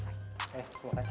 eh terima kasih